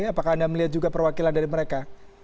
apakah anda melihat juga perwakilan dari mereka